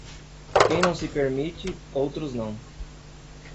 Quem não se permite, outros não.